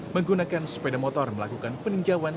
menggunakan sepeda motor melakukan peninjauan